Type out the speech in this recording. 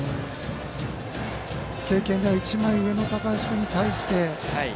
経験では１枚上の高橋君に対して。